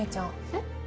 えっ？